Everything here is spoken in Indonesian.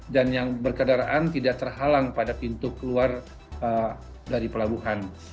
yang berkedaraan tidak terhalang pada pintu keluar dari pelabuhan